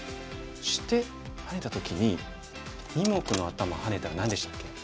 そしてハネた時に二目のアタマをハネたら何でしたっけ？